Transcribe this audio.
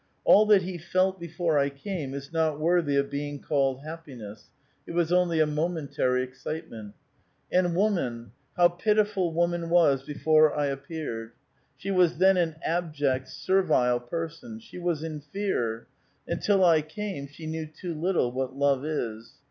All that he felt before T came is not worthy of being called happiness ; it was only a momentary excitement. And" woman ! how pitiful woman was before I appeared ! She was then an abject, servile person. She was in fear ; until I came, she knew too little what love is.